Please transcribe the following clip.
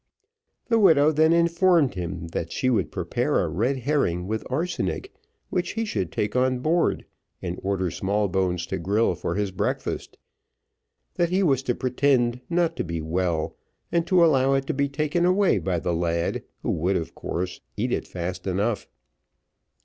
The widow then informed him that she would prepare a red herring with arsenic, which he should take on board, and order Smallbones to grill for his breakfast; that he was to pretend not to be well, and to allow it to be taken away by the lad, who would, of course, eat it fast enough.